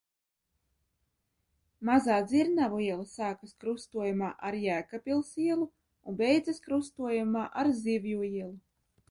Mazā Dzirnavu iela sākas krustojumā ar Jēkabpils ielu un beidzas krustojumā ar Zivju ielu.